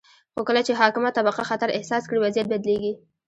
خو کله چې حاکمه طبقه خطر احساس کړي، وضعیت بدلیږي.